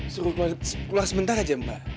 suruh keluar sebentar aja mbak